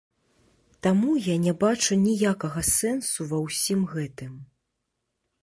Таму я не бачу ніякага сэнсу ва ўсім гэтым.